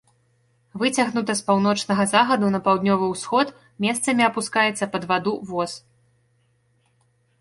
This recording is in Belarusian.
Выцягнута з паўночнага захаду на паўднёвы ўсход, месцамі апускаецца пад ваду воз.